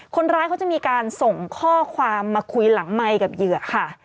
คนร้ายเขาจะมีการส่งข้อความมาคุยหลังไมค์กับเหยื่อค่ะ